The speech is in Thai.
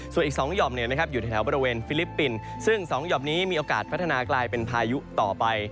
ส่วนอีก๒ห่อมอยู่แถวบริเวณฟิลิปปินส์ซึ่ง๒ห่อมนี้มีโอกาสพัฒนากลายเป็นพายุต่อไป